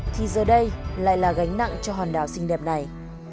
thì giờ đây lại là gánh nặng cho hòn đảo xinh đẹp này